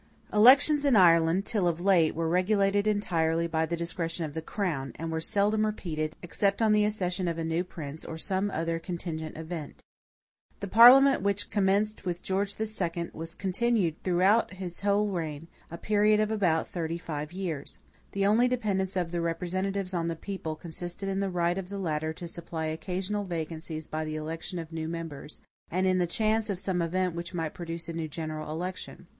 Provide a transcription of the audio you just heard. Elections in Ireland, till of late, were regulated entirely by the discretion of the crown, and were seldom repeated, except on the accession of a new prince, or some other contingent event. The parliament which commenced with George II. was continued throughout his whole reign, a period of about thirty five years. The only dependence of the representatives on the people consisted in the right of the latter to supply occasional vacancies by the election of new members, and in the chance of some event which might produce a general new election.